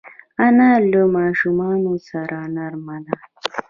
انا له ماشومانو سره نرمه ده